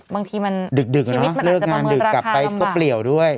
บางทีชีวิตมันอาจจะมาเมืองราคารำบากดึกดึกเนอะเลือกงานดึกกลับไปก็เปลี่ยวด้วย